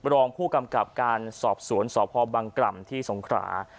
รองผู้กำกับการสอบสวนสพบังกล่ำที่สงขรา